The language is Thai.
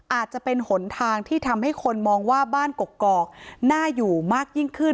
อาจจะเป็นหนทางที่ทำให้คนมองว่าบ้านกกอกน่าอยู่มากยิ่งขึ้น